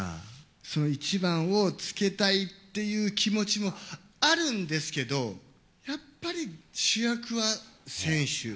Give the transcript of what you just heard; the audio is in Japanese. その１番をつけたいっていう気持ちもあるんですけど、やっぱり主役は選手。